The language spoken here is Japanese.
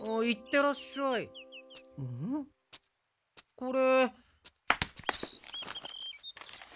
これ。